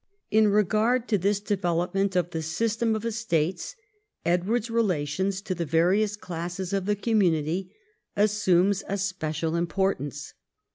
In regard to this development of the system of estates, Edward's relations to the various classes of the community assumes a special importance.